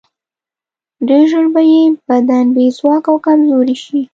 ډېر ژر به یې بدن بې ځواکه او کمزوری شي.